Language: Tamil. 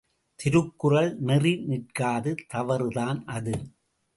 திருக்குறள் நெறி நிற்காத தவறுதான் அது.